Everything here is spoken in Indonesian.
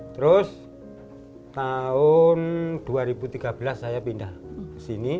terus tahun dua ribu tiga belas saya pindah ke sini